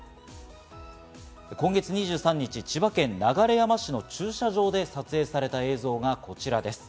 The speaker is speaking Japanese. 今月２３日、千葉県流山市の駐車場で撮影された映像がこちらです。